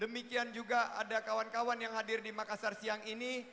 demikian juga ada kawan kawan yang hadir di makassar siang ini